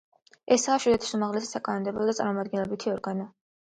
ესაა შვედეთის უმაღლესი საკანონმდებლო და წარმომადგენლობით ორგანო.